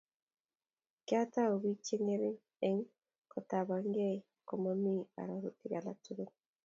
kitau biik cheng'erik'kotabanngéi komamii ararutik alak tugul